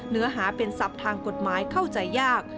เนื้อหาเป็นศัพท์ทางกฎหมายเข้าใจยาก